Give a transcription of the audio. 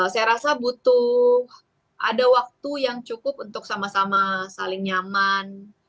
saya rasa butuh ada waktu yang cukup untuk sama sama saling nyaman